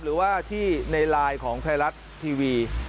หรือว่าที่ในไลน์ของไทยรัฐทีวี